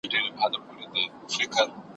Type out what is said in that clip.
پر وطن يې جوړه كړې كراري وه ,